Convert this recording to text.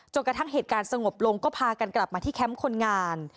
กระทั่งเหตุการณ์สงบลงก็พากันกลับมาที่แคมป์คนงาน